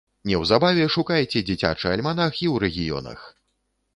Неўзабаве шукайце дзіцячы альманах і ў рэгіёнах!